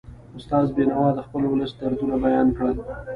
استاد بینوا د خپل ولس دردونه بیان کړل.